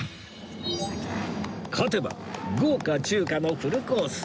勝てば豪華中華のフルコース